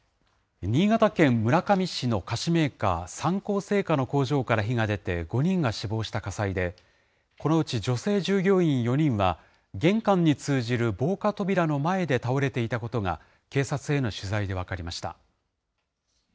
新潟県村上市の菓子メーカー、三幸製菓の工場から火が出て、５人が死亡した火災で、このうち女性従業員４人は、玄関に通じる防火扉の前で倒れていたことが、警察への取材で分かりました。